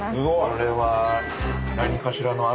これは。